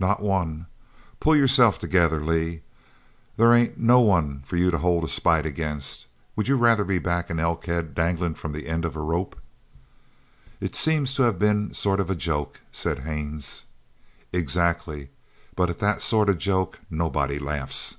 "Not one! Pull yourself together, Lee. There ain't no one for you to hold a spite agin. Would you rather be back in Elkhead dangling from the end of a rope?" "It seems to have been a sort of joke," said Haines. "Exactly. But at that sort of a joke nobody laughs!"